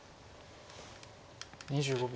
２５秒。